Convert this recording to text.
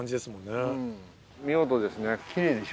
見事ですね。